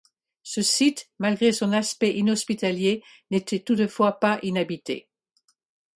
Ce site, malgré son aspect inhospitalier n'était toutefois pas inhabité.